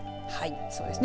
そうですね。